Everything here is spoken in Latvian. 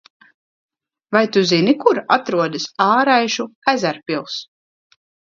Vai tu zini kur atrodas Āraišu ezerpils?